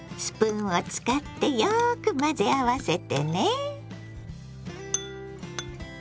スプーンを使ってよく混ぜ合わせてね。